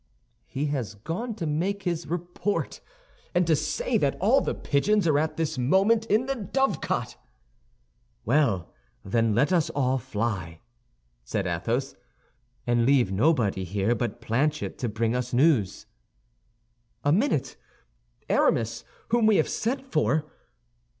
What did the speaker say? "He has gone to make his report, and to say that all the pigeons are at this moment in the dovecot." "Well, then, let us all fly," said Athos, "and leave nobody here but Planchet to bring us news." "A minute. Aramis, whom we have sent for!"